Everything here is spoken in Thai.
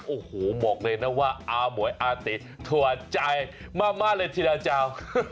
โอ้โหบอกเลยนะว่าอาหมวยอาติถั่วใจมากเลยทีละเจ้า